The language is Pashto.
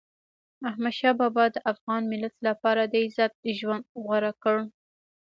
احمدشاه بابا د افغان ملت لپاره د عزت ژوند غوره کړ.